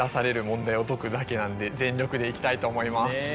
全力でいきたいと思います。